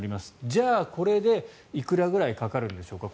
じゃあ、これでいくらぐらいかかるんでしょうか。